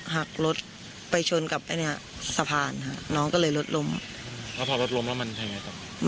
หักรถไปชนกับไอ้เนี้ยสะพานค่ะน้องก็เลยรถล้มแล้วพอรถล้มแล้วมันทำไงต่อ